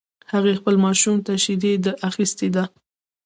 هغې خپل ماشوم ته شیدي ده اخیستی ده